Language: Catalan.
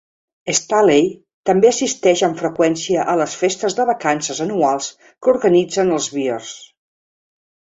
Staley també assisteix amb freqüència a les festes de vacances anuals que organitzen els Bears.